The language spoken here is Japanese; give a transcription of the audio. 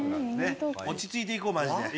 落ち着いて行こう。